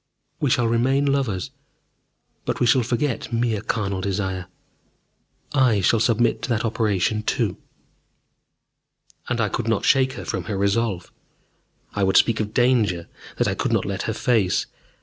We shall remain lovers, but we shall forget mere carnal desire. I shall submit to that operation too!" And I could not shake her from her resolve. I would speak of danger that I could not let her face.